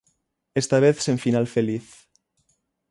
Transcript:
Esta vez sen final feliz.